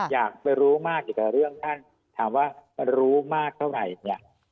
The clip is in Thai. อยากไปรู้มากเกี่ยวกับเรื่องท่านถามว่ารู้มากเท่าไหร่เนี่ย